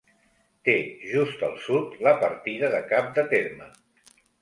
Té just al sud la partida de Cap de Terme.